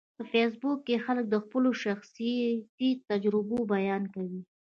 په فېسبوک کې خلک د خپلو شخصیتي تجربو بیان کوي